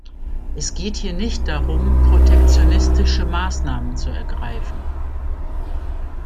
Es geht hier nicht darum, protektionistische Maßnahmen zu ergreifen.